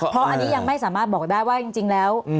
เพราะอันนี้ยังไม่สามารถบอกได้ว่าจริงแล้ว